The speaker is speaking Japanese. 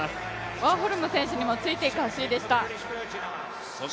ワーホルム選手にもついていく走りでした。